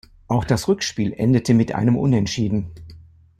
Auch das Rückspiel endete mit einem Unentschieden.